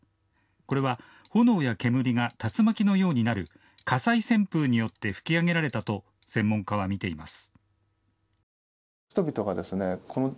これは炎や煙が竜巻のようになる火災旋風によって吹き上げられたと専門家は見ています。